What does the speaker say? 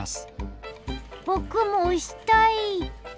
ぼくもおしたい！